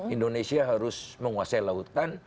indonesia harus menguasai lautan